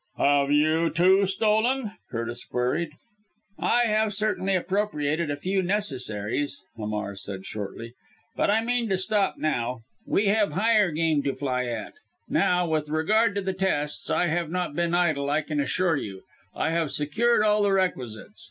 "Have you, too, stolen?" Curtis queried. "I have certainly appropriated a few necessaries," Hamar said shortly, "but I mean to stop now. We have higher game to fly at. Now, with regard to the tests. I have not been idle I can assure you. I have secured all the requisites.